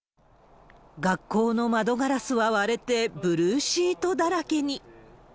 学校の窓ガラスは割れて、ブルーシートだらけに。